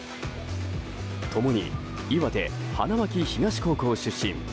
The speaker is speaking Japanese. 共に岩手・花巻東高校出身。